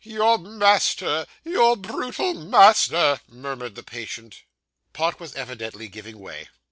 'Your master your brutal master,' murmured the patient. Pott was evidently giving way.